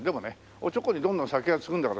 おちょこにどんどん酒はつぐんだから。